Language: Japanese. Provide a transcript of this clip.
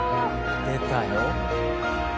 出たよ。